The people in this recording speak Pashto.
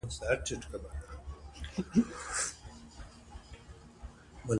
احمدشاه بابا به د ملي بوديجي څارنه کوله.